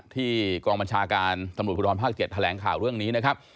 ที่กองบัญชาการสำรวจประวัติภาค๗แถลงข่าวเรื่องนี้นะครับ